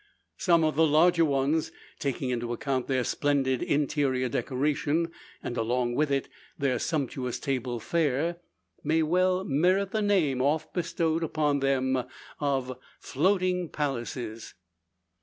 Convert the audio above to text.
Some of the larger ones, taking into account their splendid interior decoration, and, along with it their sumptuous table fare, may well merit the name oft bestowed upon them, of "floating palaces."